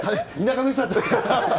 田舎の人だったので。